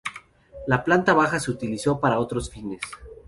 La planta baja se utilizó para otros fines.